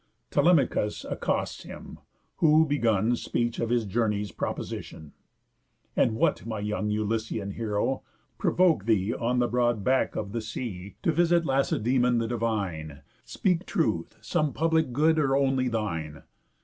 Telemachus accosts him, who begun Speech of his journey's proposition: "And what, my young Ulyssean heroë, Provok'd thee on the broad back of the sea, To visit Lacedæmon the divine? Speak truth, some public [good] or only thine?"